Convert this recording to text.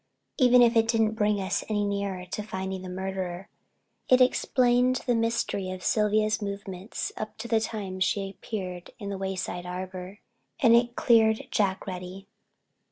Even if it didn't bring us any nearer to finding the murderer, it explained the mystery of Sylvia's movements up to the time she appeared in the Wayside Arbor, and it cleared Jack Reddy.